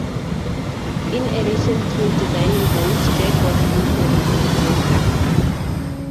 In addition to designing boats, Jack was also a boatbuilder.